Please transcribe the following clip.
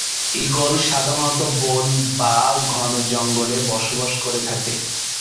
Eagle সাধারণত বনে বা ঘন জঙ্গলে বসবাস করে থাকে।